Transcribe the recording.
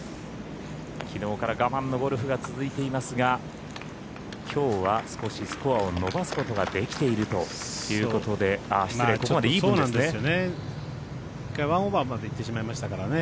きのうから我慢のゴルフが続いていますがきょうは少しスコアを伸ばすことができているということで、失礼ここまでイーブンですね。